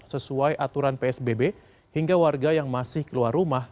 sesuai aturan psbb hingga warga yang masih keluar rumah